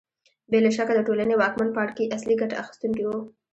بې له شکه د ټولنې واکمن پاړکي اصلي ګټه اخیستونکي وو